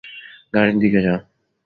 গাড়ির দিকে যাও।